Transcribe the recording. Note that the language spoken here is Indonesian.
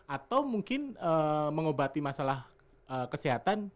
atau mungkin mengobati masalah kesehatan